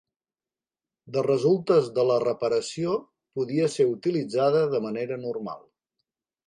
De resultes de la reparació podia ser utilitzada de manera normal.